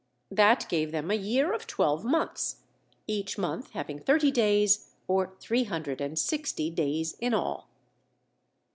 That gave them a year of twelve months, each month having thirty days, or three hundred and sixty days in all.